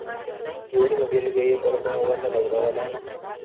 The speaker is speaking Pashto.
یوه نیمه بېلګه یې پر ما و نه لوروله.